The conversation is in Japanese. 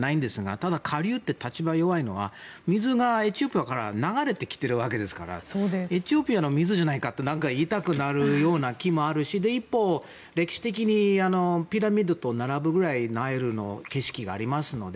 ただ、下流って立場が弱いのは水がエチオピアから流れてきているわけですからエチオピアの水じゃないかと言いたくなるような気もあるし一方、歴史的にピラミッドと並ぶぐらいナイルの景色がありますので。